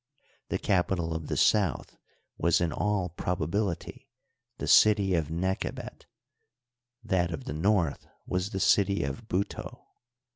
The capital of the South was in all probability the city of Nechebet, that of the North was the city of Buto.